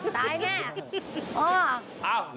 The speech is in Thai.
ตายแน่